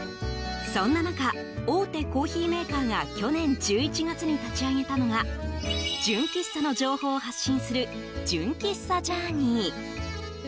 そんな中大手コーヒーメーカーが去年１１月に立ち上げたのが純喫茶の情報を発信する純喫茶ジャーニー。